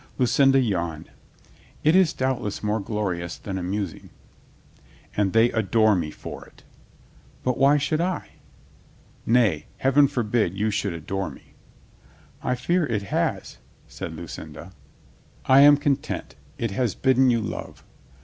Lucinda yawned. "It is doubtless more glorious than amusing." "And they adore me for it." "But why should I ?" "Nay, Heaven forbid you should adore me." "I fear It has," said Lucinda. LOVERS' MEETING I95 "I am content. It has bidden you love."